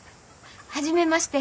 初めまして。